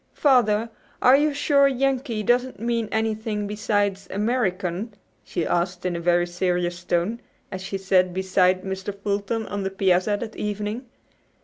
"Father, are you sure 'Yankee' doesn't mean anything beside 'American'?" she asked in a very serious tone, as she sat beside Mr. Fulton on the piazza that evening.